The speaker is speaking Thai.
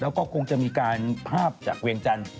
แล้วก็คงจะมีการภาพจากเวียงจันทร์